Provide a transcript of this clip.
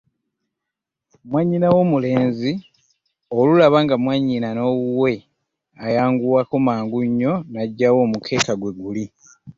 Mwannyina w’omulenzi, olulaba nga mwannyina n’owuwe, ayanguwako mangu nnyo n’aggyawo omukeeka gwe guli.